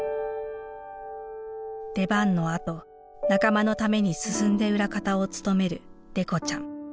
出番のあと仲間のために進んで裏方を務めるデコちゃん。